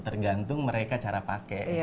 tergantung mereka cara pakai